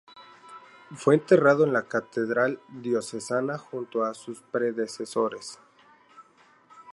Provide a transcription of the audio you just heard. Fue enterrado en la catedral diocesana junto a sus predecesores.